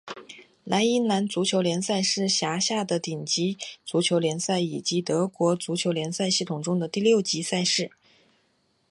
莱茵兰足球联赛是辖下的顶级足球联赛以及德国足球联赛系统中的第六级赛事。